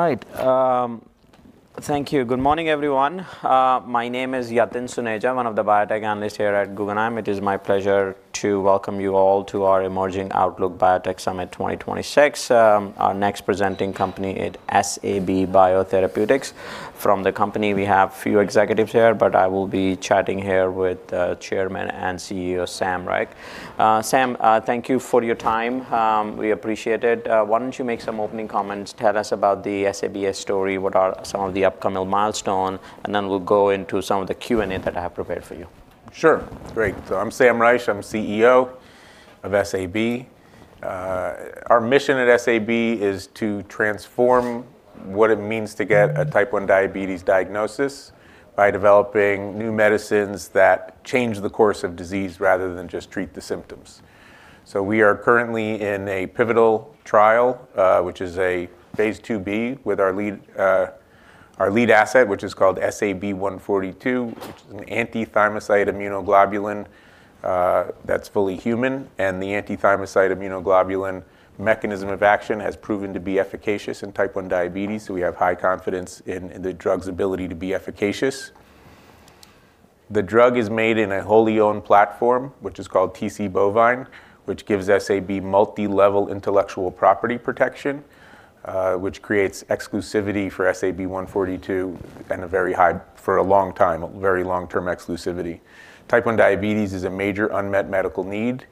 Right, thank you. Good morning, everyone. My name is Yatin Suneja, one of the biotech analysts here at Guggenheim. It is my pleasure to welcome you all to our Emerging Outlook Biotech Summit 2026, our next presenting company at SAB Biotherapeutics. From the company, we have a few executives here, but I will be chatting here with Chairman and CEO Sam Reich. Sam, thank you for your time. We appreciate it. Why don't you make some opening comments? Tell us about the SABS story, what are some of the upcoming milestones, and then we'll go into some of the Q&A that I have prepared for you. Sure. Great. So I'm Sam Reich. I'm CEO of SAB. Our mission at SAB is to transform what it means to get a Type 1 Diabetes diagnosis by developing new medicines that change the course of disease rather than just treat the symptoms. So we are currently in a pivotal trial, which is a Phase 2b with our lead, our lead asset, which is called SAB-142, which is an anti-thymocyte immunoglobulin, that's fully human. And the anti-thymocyte immunoglobulin mechanism of action has proven to be efficacious in Type 1 Diabetes, so we have high confidence in, in the drug's ability to be efficacious. The drug is made in a wholly-owned platform, which is called TcBovine, which gives SAB multilevel intellectual property protection, which creates exclusivity for SAB-142 and a very high for a long time, very long-term exclusivity. Type 1 Diabetes is a major unmet medical need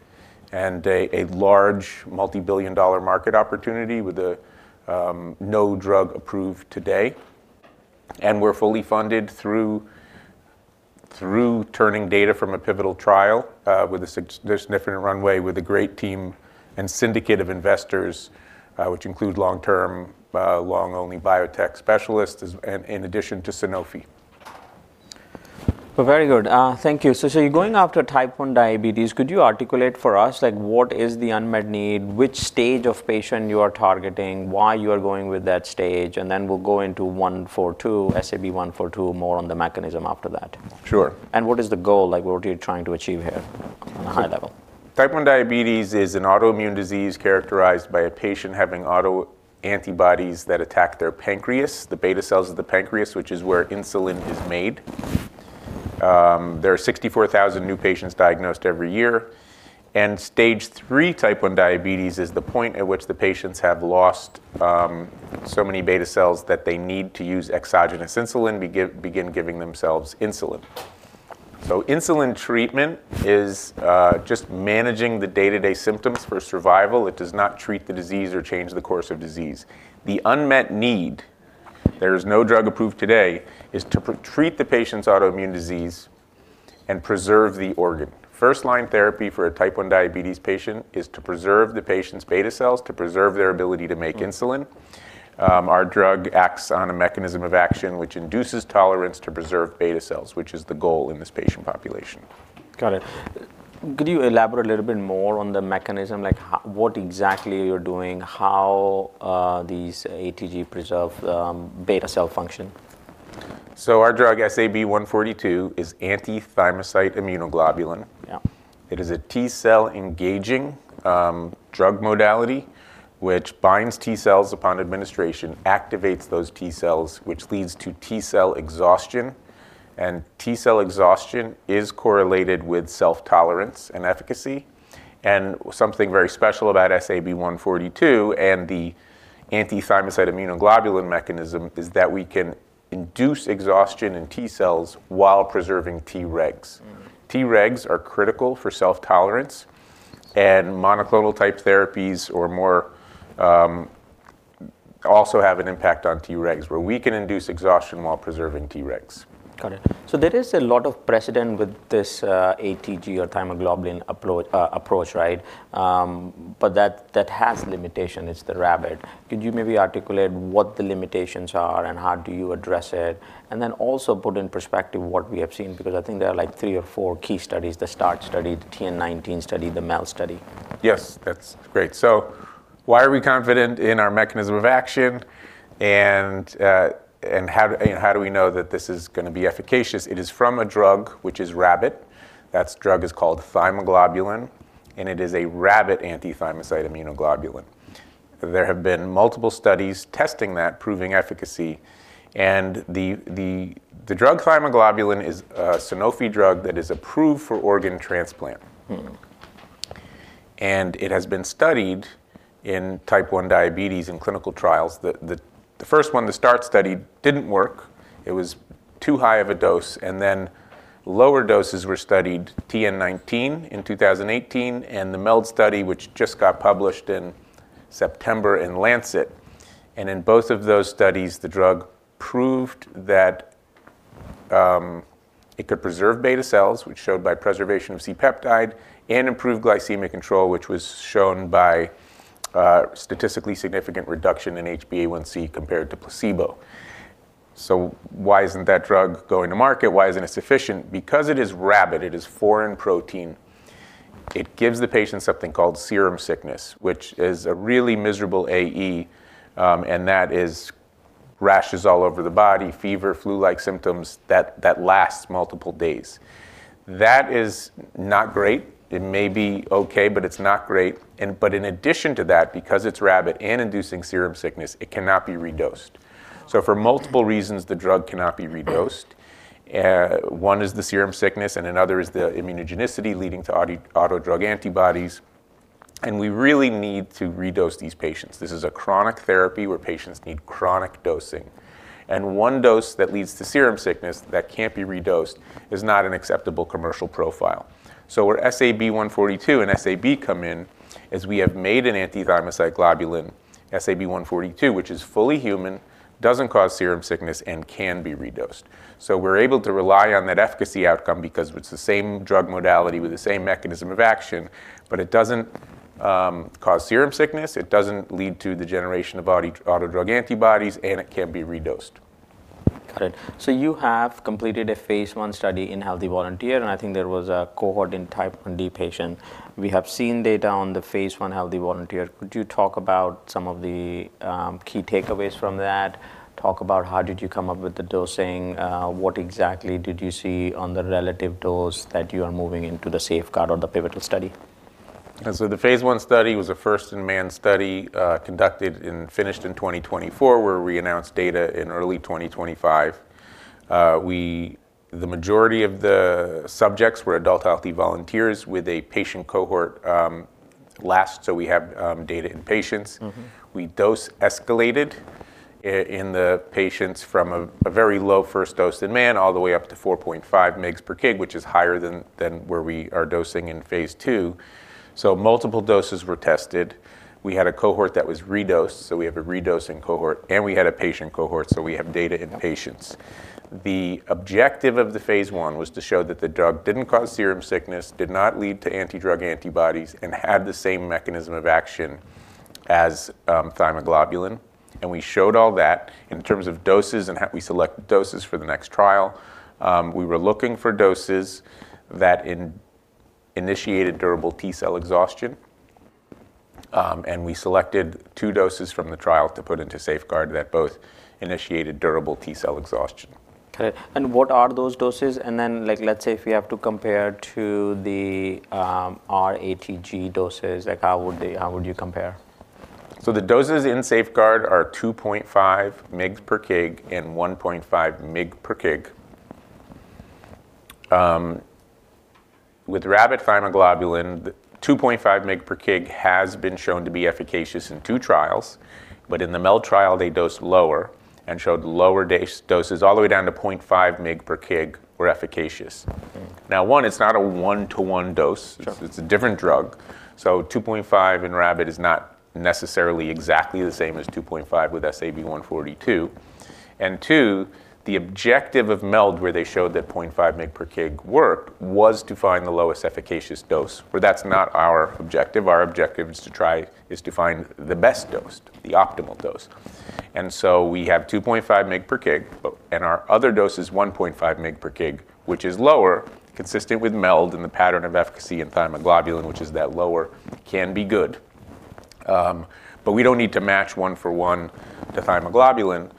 and a large multi-billion dollar market opportunity with no drug approved today. We're fully funded through turning data from a pivotal trial, with a significant runway with a great team and syndicate of investors, which include long-term, long-only biotech specialists as in addition to Sanofi. Well, very good. Thank you. So you're going after Type 1 Diabetes. Could you articulate for us, like, what is the unmet need, which stage of patient you are targeting, why you are going with that stage? And then we'll go into 142, SAB-142, more on the mechanism after that. Sure. What is the goal? Like, what are you trying to achieve here on a high level? So Type 1 Diabetes is an autoimmune disease characterized by a patient having autoantibodies that attack their pancreas, the beta cells of the pancreas, which is where insulin is made. There are 64,000 new patients diagnosed every year. Stage 3 T1D is the point at which the patients have lost so many beta cells that they need to use exogenous insulin, begin giving themselves insulin. Insulin treatment is just managing the day-to-day symptoms for survival. It does not treat the disease or change the course of disease. The unmet need, there is no drug approved today, is to treat the patient's autoimmune disease and preserve the organ. First-line therapy for a Type 1 Diabetes patient is to preserve the patient's beta cells, to preserve their ability to make insulin. Our drug acts on a mechanism of action which induces tolerance to preserve beta cells, which is the goal in this patient population. Got it. Could you elaborate a little bit more on the mechanism? Like, what exactly are you doing? How these ATG preserve beta cell function? Our drug SAB-142 is anti-thymocyte immunoglobulin. Yeah. It is a T-cell engaging drug modality which binds T-cells upon administration, activates those T-cells, which leads to T-cell exhaustion. T-cell exhaustion is correlated with self-tolerance and efficacy. Something very special about SAB-142 and the anti-thymocyte immunoglobulin mechanism is that we can induce exhaustion in T-cells while preserving Tregs. Tregs are critical for self-tolerance, and monoclonal type therapies or more also have an impact on Tregs, where we can induce exhaustion while preserving Tregs. Got it. So there is a lot of precedent with this, ATG or Thymoglobulin approach, right? But that, that has limitations. It's the rabbit. Could you maybe articulate what the limitations are and how do you address it, and then also put in perspective what we have seen? Because I think there are, like, three or four key studies: the START study, the TN19 study, the MELD study. Yes, that's great. So why are we confident in our mechanism of action and how do we know that this is going to be efficacious? It is from a drug which is rabbit. That drug is called Thymoglobulin, and it is a rabbit anti-thymocyte immunoglobulin. There have been multiple studies testing that, proving efficacy. The drug Thymoglobulin is a Sanofi drug that is approved for organ transplant. It has been studied in Type 1 Diabetes in clinical trials. The first one, the START study, didn't work. It was too high of a dose. Then lower doses were studied, TN19 in 2018 and the MELD-ATG study which just got published in September in The Lancet. In both of those studies, the drug proved that, it could preserve beta cells, which showed by preservation of C-peptide and improved glycemic control, which was shown by, statistically significant reduction in HbA1c compared to placebo. So why isn't that drug going to market? Why isn't it sufficient? Because it is rabbit, it is foreign protein, it gives the patient something called serum sickness, which is a really miserable AE, and that is rashes all over the body, fever, flu-like symptoms that, that lasts multiple days. That is not great. It may be okay, but it's not great. And but in addition to that, because it's rabbit and inducing serum sickness, it cannot be redosed. So for multiple reasons, the drug cannot be redosed. One is the serum sickness, and another is the immunogenicity leading to anti-drug antibodies. And we really need to redose these patients. This is a chronic therapy where patients need chronic dosing. One dose that leads to serum sickness that can't be redosed is not an acceptable commercial profile. Where SAB-142 and SAB come in is we have made an anti-thymocyte globulin, SAB-142, which is fully human, doesn't cause serum sickness, and can be redosed. We're able to rely on that efficacy outcome because it's the same drug modality with the same mechanism of action, but it doesn't cause serum sickness, it doesn't lead to the generation of anti-drug antibodies, and it can be redosed. Got it. So you have completed a Phase 1 study in healthy volunteers, and I think there was a cohort in T1D patients. We have seen data on the Phase 1 healthy volunteers. Could you talk about some of the key takeaways from that? Talk about how did you come up with the dosing, what exactly did you see on the relative dose that you are moving into the SAFEGUARD or the pivotal study? So the Phase 1 study was a first-in-man study, conducted and finished in 2024, where we announced data in early 2025. The majority of the subjects were adult healthy volunteers with a patient cohort, so we have data in patients. We dose escalated in the patients from a very low first dose in man all the way up to 4.5 mg per kg, which is higher than where we are dosing in Phase 2. So multiple doses were tested. We had a cohort that was redosed, so we have a redosing cohort, and we had a patient cohort, so we have data in patients. The objective of the Phase 1 was to show that the drug didn't cause serum sickness, did not lead to anti-drug antibodies, and had the same mechanism of action as Thymoglobulin. And we showed all that. In terms of doses and how we select doses for the next trial, we were looking for doses that initiated durable T-cell exhaustion, and we selected two doses from the trial to put into SAFEGUARD that both initiated durable T-cell exhaustion. Got it. What are those doses? And then, like, let's say if we have to compare to our ATG doses, like, how would you compare? So the doses in SAFEGUARD are 2.5 mg per kg and 1.5 mg per kg. With rabbit Thymoglobulin, 2.5 mg per kg has been shown to be efficacious in two trials, but in the MELD trial, they dosed lower and showed lower doses all the way down to 0.5 mg per kg were efficacious. Now, one, it's not a one-to-one dose. It's a different drug. So 2.5 in rabbit is not necessarily exactly the same as 2.5 with SAB-142. And two, the objective of MELD, where they showed that 0.5 mg per kg worked, was to find the lowest efficacious dose, where that's not our objective. Our objective is to try is to find the best dose, the optimal dose. So we have 2.5 mg per kg, and our other dose is 1.5 mg per kg, which is lower, consistent with MELD and the pattern of efficacy in Thymoglobulin, which is that lower doses can be good. But we don't need to match one-for-one to Thymoglobulin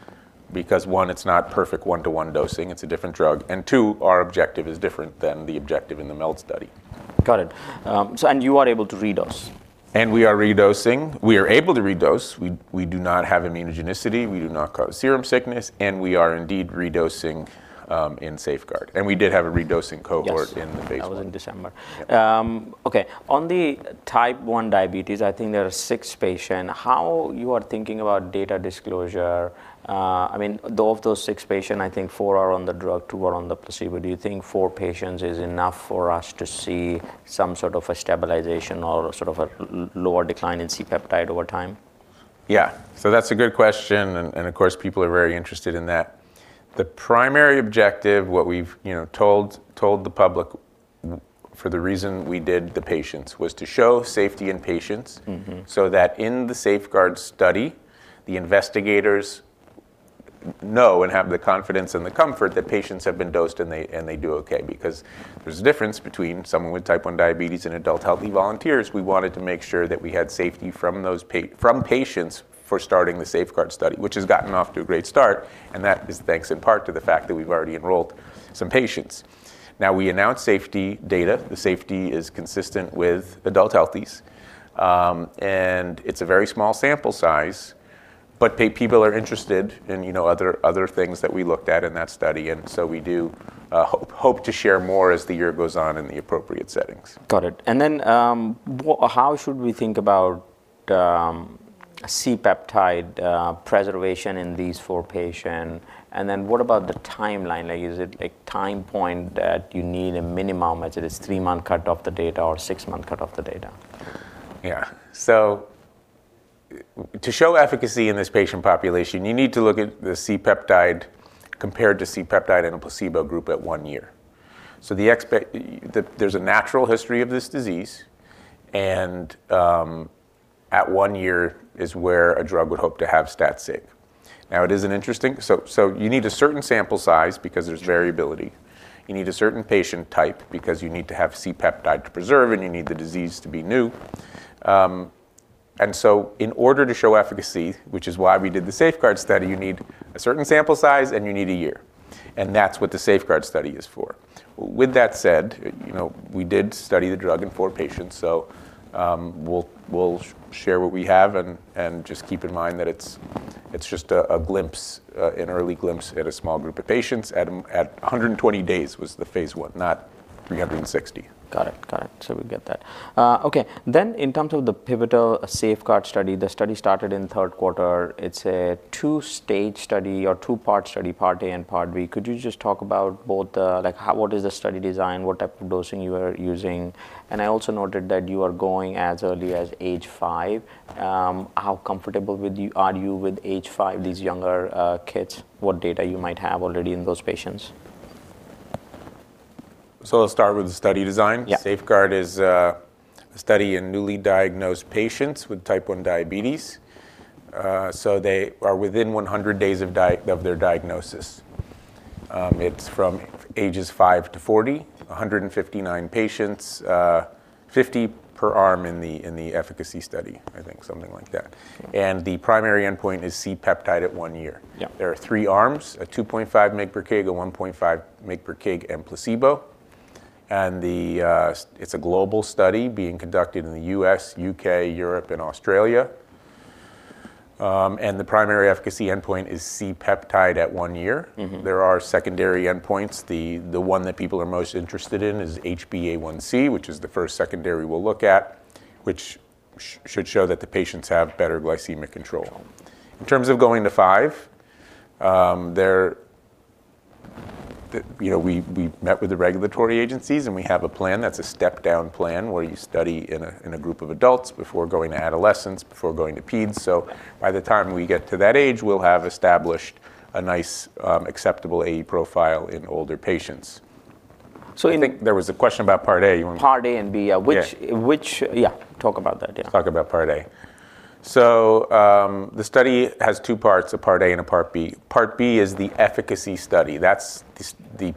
because, one, it's not perfect one-to-one dosing. It's a different drug. And two, our objective is different than the objective in the MELD study. Got it. So, you are able to redose? We are redosing. We are able to redose. We do not have immunogenicity. We do not cause serum sickness. We are indeed redosing, in SAFEGUARD. We did have a redosing cohort in the Phase 1. That was in December. Okay. On the Type 1 Diabetes, I think there are six patients. How you are thinking about data disclosure? I mean, two of those six patients, I think four are on the drug, two are on the placebo. Do you think four patients is enough for us to see some sort of a stabilization or sort of a lower decline in C-peptide over time? Yeah. So that's a good question, and, and of course, people are very interested in that. The primary objective, what we've, you know, told, told the public for the reason we did the patients, was to show safety in patients so that in the SAFEGUARD study, the investigators know and have the confidence and the comfort that patients have been dosed and they and they do okay. Because there's a difference between someone with Type 1 Diabetes and adult healthy volunteers. We wanted to make sure that we had safety from those patients for starting the SAFEGUARD study, which has gotten off to a great start, and that is thanks in part to the fact that we've already enrolled some patients. Now, we announced safety data. The safety is consistent with adult healthies. It's a very small sample size, but people are interested in, you know, other things that we looked at in that study. And so we do hope to share more as the year goes on in the appropriate settings. Got it. And then, what, how should we think about C-peptide preservation in these four patients? And then what about the timeline? Like, is it, like, time point that you need a minimum, whether it's three-month cut off the data or six-month cut off the data? Yeah. So to show efficacy in this patient population, you need to look at the C-peptide compared to C-peptide in a placebo group at one year. So, as expected, there's a natural history of this disease, and at one year is where a drug would hope to have stat sig. Now, it is interesting, so you need a certain sample size because there's variability. You need a certain patient type because you need to have C-peptide to preserve, and you need the disease to be new. And so in order to show efficacy, which is why we did the SAFEGUARD study, you need a certain sample size, and you need a year. And that's what the SAFEGUARD study is for. With that said, you know, we did study the drug in four patients, so, we'll share what we have, and just keep in mind that it's just a glimpse, an early glimpse at a small group of patients. At 120 days was the Phase 1, not 360. Got it. Got it. So we get that. Okay. Then in terms of the pivotal SAFEGUARD study, the study started in third quarter. It's a two-stage study or two-part study, Part A and Part B. Could you just talk about both the like, how what is the study design, what type of dosing you are using? And I also noted that you are going as early as age five. How comfortable with you are you with age five, these younger kids, what data you might have already in those patients? So I'll start with the study design. SAFEGUARD is a study in newly diagnosed patients with Type 1 Diabetes, so they are within 100 days of their diagnosis. It's from ages five to 40, 159 patients, 50 per arm in the efficacy study, I think, something like that. And the primary endpoint is C-peptide at one year. There are three arms: a 2.5 mg per kg, a 1.5 mg per kg, and placebo. And it's a global study being conducted in the U.S., U.K., Europe, and Australia. And the primary efficacy endpoint is C-peptide at one year. There are secondary endpoints. The one that people are most interested in is HbA1c, which is the first secondary we'll look at, which should show that the patients have better glycemic control. In terms of going to five, there you know, we met with the regulatory agencies, and we have a plan. That's a step-down plan where you study in a group of adults before going to adolescents, before going to peds. So by the time we get to that age, we'll have established a nice, acceptable AE profile in older patients. So in. I think there was a question about part A. You want-. Part A and B, which yeah, talk about that. Yeah. Let's talk about Part A. So, the study has two parts, a Part A and a Part B. Part B is the efficacy study. That's the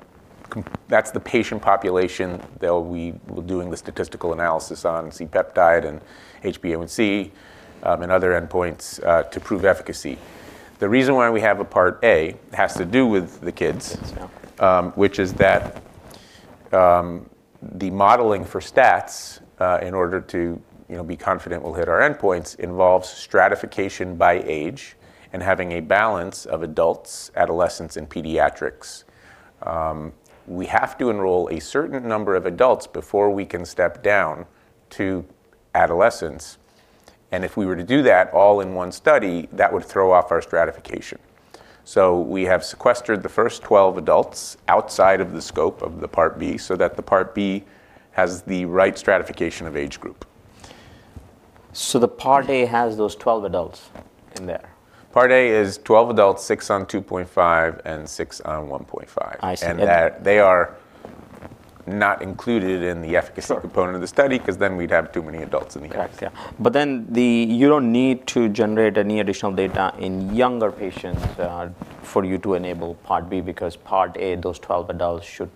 patient population that we're doing the statistical analysis on, C-peptide and HbA1c, and other endpoints, to prove efficacy. The reason why we have a Part A has to do with the kids, which is that the modeling for stats, in order to, you know, be confident we'll hit our endpoints, involves stratification by age and having a balance of adults, adolescents, and pediatrics. We have to enroll a certain number of adults before we can step down to adolescents. And if we were to do that all in one study, that would throw off our stratification. We have sequestered the first 12 adults outside of the scope of the Part B so that the Part B has the right stratification of age group. The part A has those 12 adults in there? Part A is 12 adults, six on 2.5 and six on 1.5. I see. That they are not included in the efficacy component of the study because then we'd have too many adults in the area. Correct. Yeah. But then you don't need to generate any additional data in younger patients for you to enable Part B because Part A, those 12 adults, should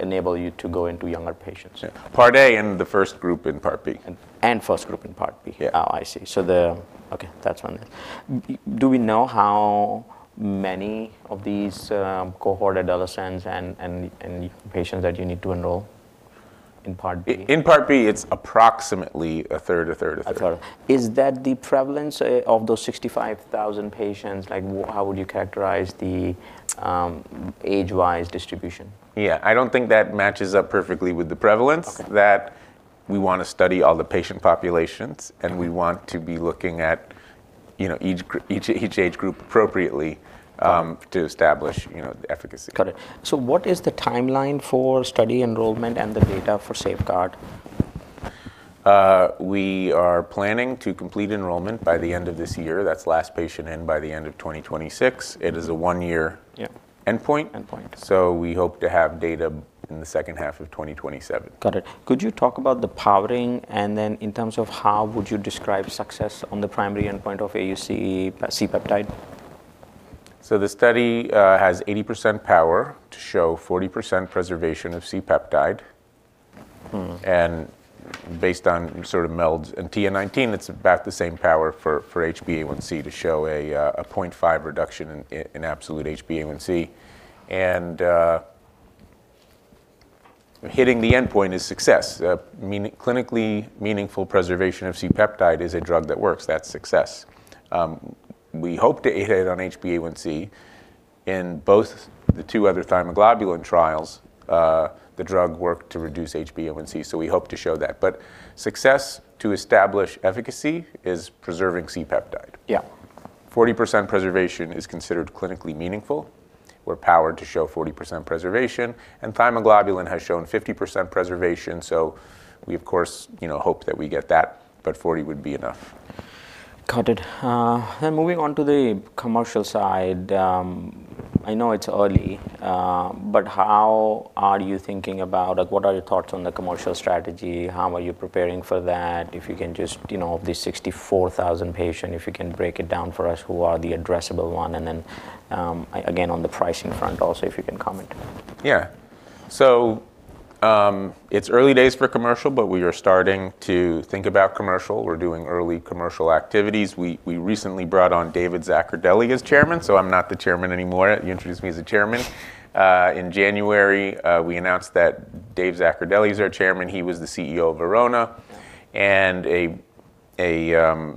enable you to go into younger patients. Yeah. Part A and the first group in Part B. First group in part B. Oh, I see. So, okay. That's one thing. Do we know how many of these cohort adolescents and patients that you need to enroll in Part B? In Part B, it's approximately a third, a third, a third. A third. Is that the prevalence of those 65,000 patients? Like, how would you characterize the age-wise distribution? Yeah. I don't think that matches up perfectly with the prevalence. That we want to study all the patient populations, and we want to be looking at, you know, each age group appropriately, to establish, you know, the efficacy. Got it. So what is the timeline for study enrollment and the data for SAFEGUARD? We are planning to complete enrollment by the end of this year. That's last patient in by the end of 2026. It is a one-year endpoint. So we hope to have data in the second half of 2027. Got it. Could you talk about the powering and then in terms of how would you describe success on the primary endpoint of AUC C-peptide? So the study has 80% power to show 40% preservation of C-peptide. Based on sort of MELD and TN19, it's about the same power for HbA1c to show a 0.5 reduction in absolute HbA1c. Hitting the endpoint is success. I mean clinically meaningful preservation of C-peptide is a drug that works. That's success. We hope to hit it on HbA1c. In both the two other Thymoglobulin trials, the drug worked to reduce HbA1c, so we hope to show that. But success to establish efficacy is preserving C-peptide. Yeah. 40% preservation is considered clinically meaningful. We're powered to show 40% preservation, and Thymoglobulin has shown 50% preservation, so we, of course, you know, hope that we get that, but 40 would be enough. Got it. Then moving on to the commercial side, I know it's early, but how are you thinking about like, what are your thoughts on the commercial strategy? How are you preparing for that? If you can just, you know, of these 64,000 patients, if you can break it down for us who are the addressable ones, and then, again, on the pricing front also, if you can comment? Yeah. So, it's early days for commercial, but we are starting to think about commercial. We're doing early commercial activities. We, we recently brought on David Zaccardelli as chairman, so I'm not the chairman anymore. You introduced me as a chairman. In January, we announced that Dave Zaccardelli is our chairman. He was the CEO of Verona. And a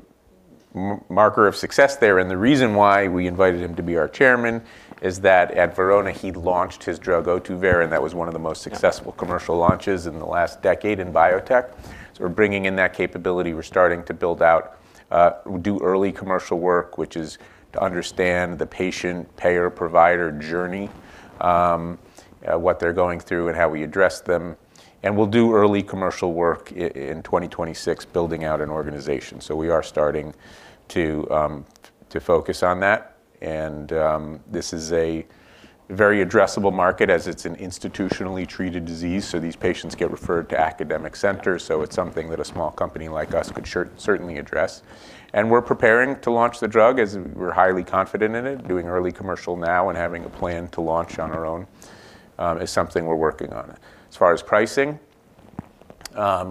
marker of success there, and the reason why we invited him to be our chairman, is that at Verona, he launched his drug Ohtuvayre, and that was one of the most successful commercial launches in the last decade in biotech. So we're bringing in that capability. We're starting to build out, do early commercial work, which is to understand the patient, payer, provider journey, what they're going through and how we address them. And we'll do early commercial work in 2026, building out an organization. So we are starting to focus on that. This is a very addressable market as it's an institutionally treated disease, so these patients get referred to academic centers. It's something that a small company like us could certainly address. We're preparing to launch the drug as we're highly confident in it, doing early commercial now and having a plan to launch on our own, is something we're working on. As far as pricing,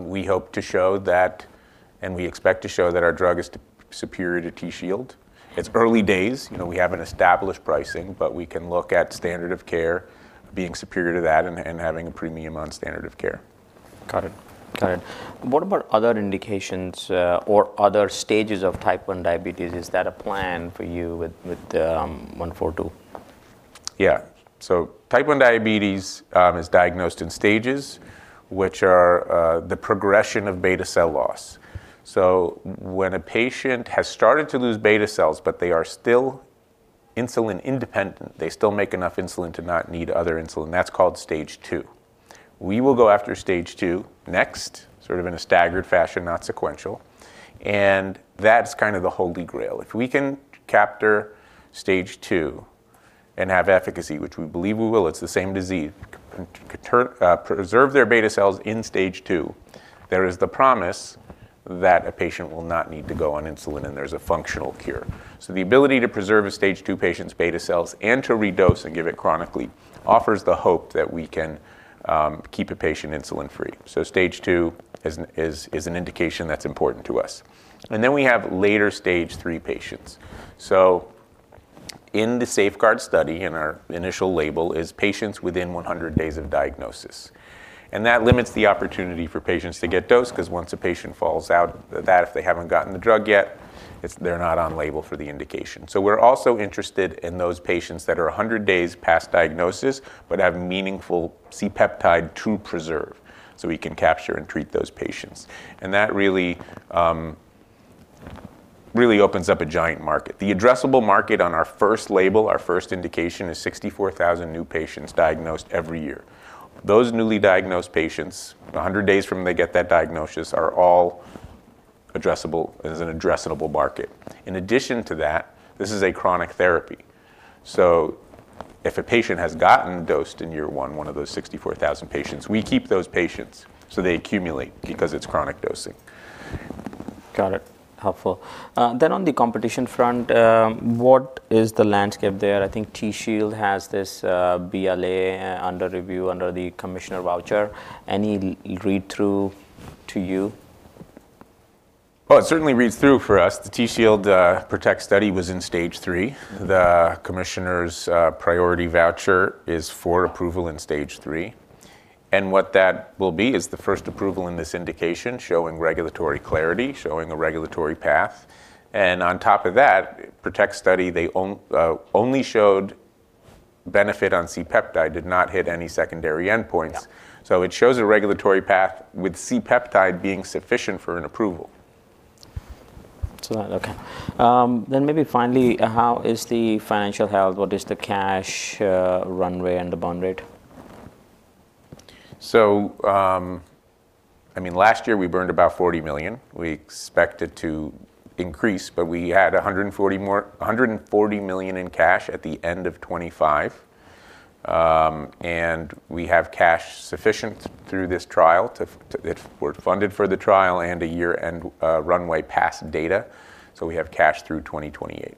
we hope to show that and we expect to show that our drug is superior to Tzield. It's early days. You know, we haven't established pricing, but we can look at standard of care being superior to that and having a premium on standard of care. Got it. Got it. What about other indications, or other stages of Type 1 Diabetes? Is that a plan for you with 142? Yeah. So, Type 1 Diabetes is diagnosed in stages, which are the progression of beta cell loss. So when a patient has started to lose beta cells, but they are still insulin-independent, they still make enough insulin to not need other insulin, that's called Stage 2. We will go after Stage 2 next, sort of in a staggered fashion, not sequential. And that's kind of the holy grail. If we can capture Stage 2 and have efficacy, which we believe we will, it's the same disease, preserve their beta cells in Stage 2, there is the promise that a patient will not need to go on insulin, and there's a functional cure. So the ability to preserve a Stage 2 patient's beta cells and to redose and give it chronically offers the hope that we can keep a patient insulin-free. So Stage 2 is an indication that's important to us. And then we have later Stage 3 patients. So in the SAFEGUARD study, and our initial label is patients within 100 days of diagnosis. And that limits the opportunity for patients to get dosed because once a patient falls out, that if they haven't gotten the drug yet, it's they're not on label for the indication. So we're also interested in those patients that are 100 days past diagnosis but have meaningful C-peptide to preserve so we can capture and treat those patients. And that really, really opens up a giant market. The addressable market on our first label, our first indication, is 64,000 new patients diagnosed every year. Those newly diagnosed patients, 100 days from when they get that diagnosis, are all addressable as an addressable market. In addition to that, this is a chronic therapy. So if a patient has gotten dosed in year one, one of those 64,000 patients, we keep those patients so they accumulate because it's chronic dosing. Got it. Helpful. Then on the competition front, what is the landscape there? I think Tzield has this, BLA under review under the commissioner's voucher. Any read-through to you? Oh, it certainly reads through for us. The Tzield PROTECT study was in Stage 3. The commissioner's priority voucher is for approval in Stage 3. And what that will be is the first approval in this indication showing regulatory clarity, showing a regulatory path. And on top of that, PROTECT study, they only, only showed benefit on C-peptide, did not hit any secondary endpoints. So it shows a regulatory path with C-peptide being sufficient for an approval. So that's okay. Then maybe finally, how is the financial health? What is the cash runway and the burn rate? So, I mean, last year we burned about $40 million. We expected to increase, but we had $140 million more in cash at the end of 2025. We have cash sufficient through this trial if we're funded for the trial and a year-end, runway past data, so we have cash through 2028.